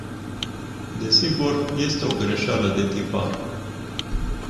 Desigur, este o greșeală de tipar.